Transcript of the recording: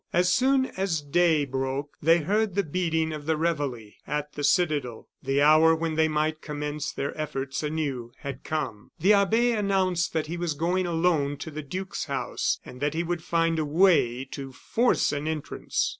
As soon as day broke, they heard the beating of the reveille at the citadel; the hour when they might commence their efforts anew had come. The abbe announced that he was going alone to the duke's house, and that he would find a way to force an entrance.